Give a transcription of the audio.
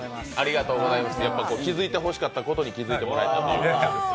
気付いてほしかったことに気付いてもらえたということです。